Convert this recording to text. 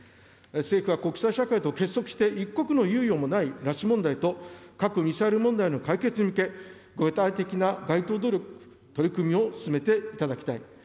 政府は国際社会と結束して、一刻の猶予もない拉致問題と、核・ミサイル問題の解決に向け、具体的な外交努力、取り組みを進めていただきたい。